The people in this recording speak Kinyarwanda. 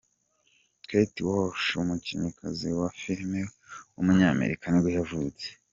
Kate Walsh, umukinnyikazi wa filime w’umunyamerika nibwo yavutse.